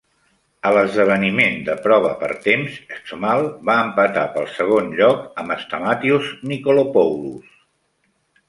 A l'esdeveniment de prova per temps, Schmal va empatar pel segon lloc amb Stamatios Nikolopoulos.